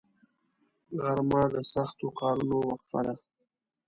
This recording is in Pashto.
غرمه د سختو کارونو وقفه ده